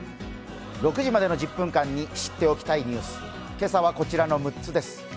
６時までの１０分間に知っておきたいニュース、今朝はこちらの６つです。